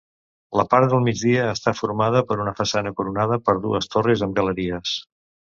La part del migdia està formada per una façana coronada per dues torres amb galeries.